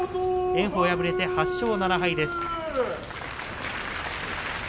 炎鵬は敗れて８勝７敗です。